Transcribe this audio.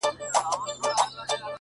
دا غرونه غرونه پـه واوښـتـل،